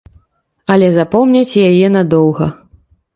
Але запомняць яе надоўга.